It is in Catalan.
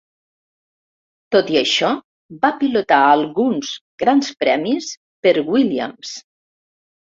Tot i això, va pilotar alguns Grans Premis per Williams.